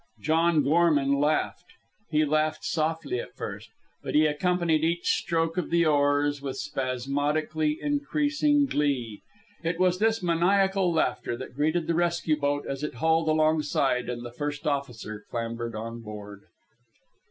John Gorman laughed. He laughed softly at first, but he accompanied each stroke of the oars with spasmodically increasing glee. It was this maniacal laughter that greeted the rescue boat as it hauled alongside and the first officer clambered on board.